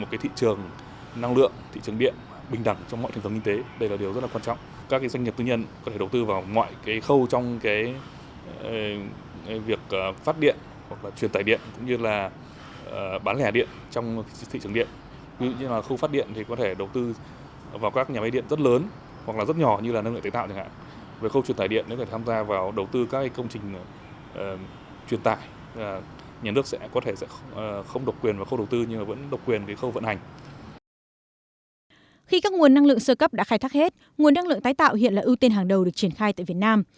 khi các nguồn năng lượng sơ cấp đã khai thác hết nguồn năng lượng tái tạo hiện là ưu tiên hàng đầu được triển khai tại việt nam